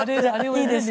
いいですか？